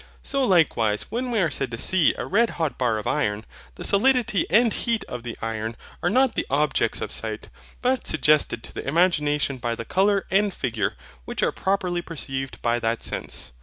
So likewise when we are said to see a red hot bar of iron; the solidity and heat of the iron are not the objects of sight, but suggested to the imagination by the colour and figure which are properly perceived by that sense.